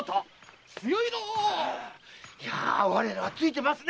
いやあ我らはついてますね。